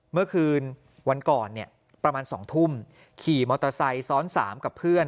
เมื่อคืนวันก่อนเนี่ยประมาณ๒ทุ่มขี่มอเตอร์ไซค์ซ้อน๓กับเพื่อน